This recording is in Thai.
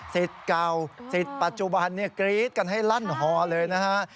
ศิษย์เก่าศิษย์ปัจจุบันกรี๊ดกันให้ลั่นหอเลยนะฮะ